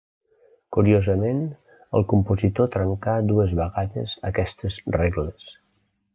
Curiosament, el compositor trencar dues vegades aquestes regles.